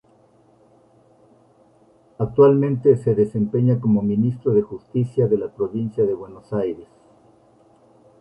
Actualmente se desempeña como Ministro de Justicia de la Provincia de Buenos Aires.